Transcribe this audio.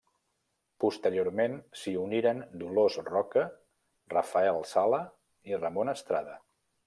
Posteriorment s’hi uniren Dolors Roca, Rafael Sala i Ramon Estrada.